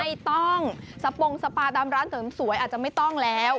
ไม่ต้องสปงสปาตามร้านเสริมสวยอาจจะไม่ต้องแล้ว